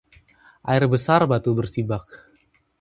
Air besar batu bersibak